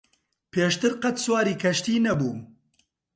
پێشتر قەت سواری کەشتی نەبووم.